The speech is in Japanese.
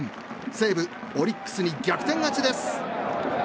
西武、オリックスに逆転勝ちです。